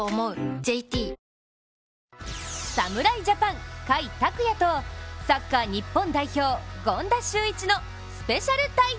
ＪＴ侍ジャパン・甲斐拓也とサッカー日本代表・権田修一のスペシャル対談。